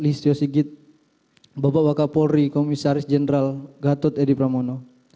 bapak kapolri komisaris jenderal listo sigit bapak bapak kapolri komisaris jenderal gatot edi pramono